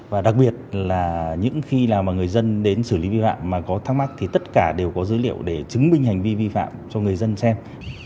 và đặc biệt là những khi người dân đến xử lý vi phạm mà có thắc mắc thì tất cả đều có dữ liệu để chứng minh hành vi vi phạm cho người dân xem